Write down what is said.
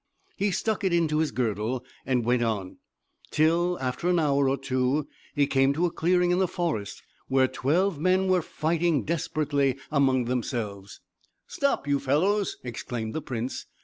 He stuck it into his girdle, and went on, till after an hour or two he came to a clearing in the forest, where twelve men were fighting desperately among themselves. "Stop, you fellows!" exclaimed the prince.